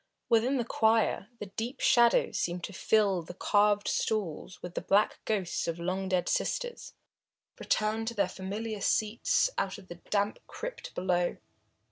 Within the choir, the deep shadows seemed to fill the carved stalls with the black ghosts of long dead sisters, returned to their familiar seats out of the damp crypt below.